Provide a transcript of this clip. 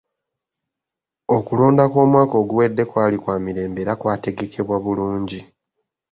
Okulonda kw'omwaka oguwedde kwali kwa mirembe era kwategekebwa bulungi.